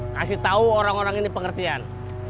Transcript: kasih tahu orang orang ini pengertian